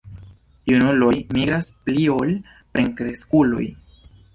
Junuloj migras pli ol plenkreskuloj.